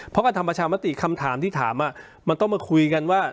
เพราะการทำประชามติคำถามที่ถามมันต้องมาคุยกันว่า